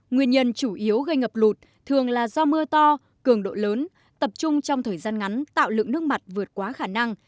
nguyên nhân chủ yếu gây ngập lụt thường là do mưa to cường độ lớn tập trung trong thời gian ngắn tạo lượng nước mặt vượt quá khả năng